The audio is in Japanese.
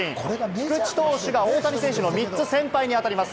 菊池投手が大谷選手の３つ先輩にあたります。